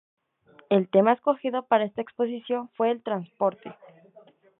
El tema escogido para esta Exposición fue el "Transporte".